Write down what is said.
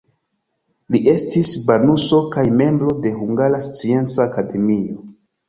Li estis banuso kaj membro de Hungara Scienca Akademio.